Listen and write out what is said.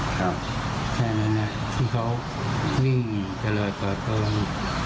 แค่นั้นแหละที่เขาวิ่งจะเลยเปิดตรง